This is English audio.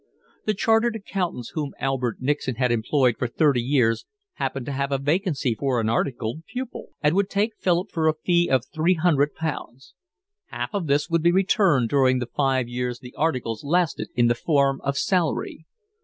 The chartered accountants whom Albert Nixon had employed for thirty years happened to have a vacancy for an articled pupil, and would take Philip for a fee of three hundred pounds. Half of this would be returned during the five years the articles lasted in the form of salary.